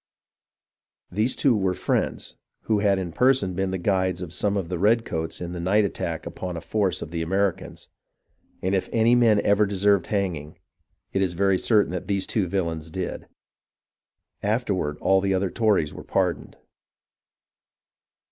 These two were Friends who had in person been the guides of some of the redcoats in a night attack upon a force of the Americans, and if any men ever deserved hanging, it is very certain that these two villains did. Afterward all the other Tories were pardoned.